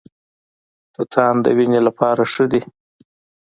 توتان د وینې لپاره ښه دي.